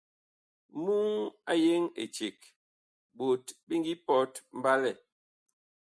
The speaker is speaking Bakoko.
Muŋ a yeŋ eceg ɓot bi ngi pɔt mɓalɛ.